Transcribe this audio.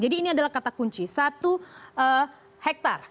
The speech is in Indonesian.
jadi ini adalah kata kunci satu hektare